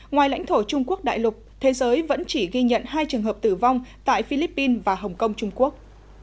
ngoài lãnh thổ trung quốc đại lục thế giới vẫn chỉ ghi nhận hai trường hợp tử vong tại philippines và hồng kông trung quốc